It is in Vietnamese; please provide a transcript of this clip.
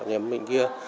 nhầm bệnh kia